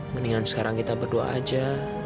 mendingan sekarang kita berdoa aja